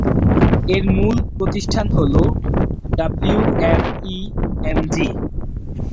এর মূল প্রতিষ্ঠান হলো ডাব্লিউএমই-এমজি।